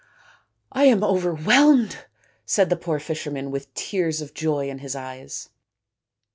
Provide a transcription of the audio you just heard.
" I am overwhelmed," said the poor fisherman, with tears of joy in his eyes.